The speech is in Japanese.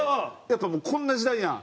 やっぱもうこんな時代やん。